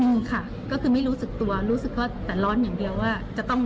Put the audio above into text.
มีค่ะก็คือไม่รู้สึกตัวรู้สึกก็แต่ร้อนอย่างเดียวว่า